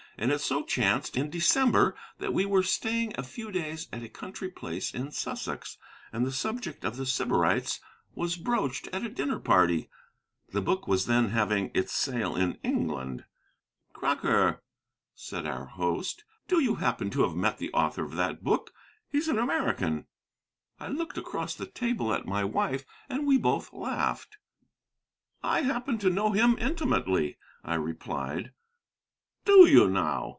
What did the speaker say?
And it so chanced, in December, that we were staying a few days at a country place in Sussex, and the subject of The Sybarites was broached at a dinner party. The book was then having its sale in England. "Crocker," said our host, "do you happen to have met the author of that book? He's an American." I looked across the table at my wife, and we both laughed. "I happen to know him intimately," I replied. "Do you, now?"